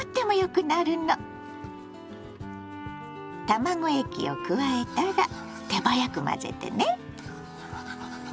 卵液を加えたら手早く混ぜてね。